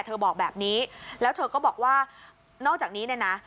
บอกแบบนี้แล้วเธอก็บอกว่านอกจากนี้เนี่ยนะ